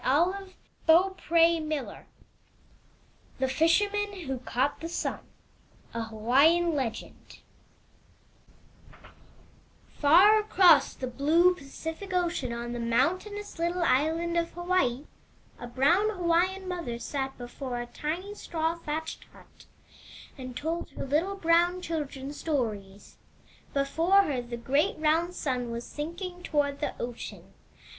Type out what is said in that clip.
205 MY BOOK HOUSE THE FISHERMAN WHO CAUGHT THE SUN A Hawaiian Legend \\jlM^^ across the blue Pacific Ocean, on the mountainous yX*^ little island of Hawaii, a brown Hawaiian mother sat before vT^ a tiny straw thatched hut, and told her little brown child ren stories. Before her the great roimd sun was sinking toward the ocean.